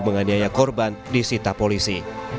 menganiaya korban di sita polisi